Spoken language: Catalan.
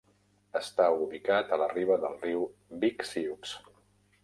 Està ubicat a la riba del riu Big Sioux.